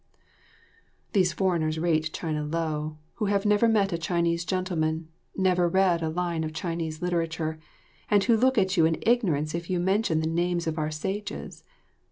These foreigners rate China low, who have never met a Chinese gentleman, never read a line of Chinese literature, and who look at you in ignorance if you mention the names of our sages.